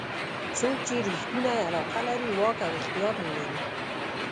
څوک چې ریښتونې علاقه لري واک او اختیار نه لري.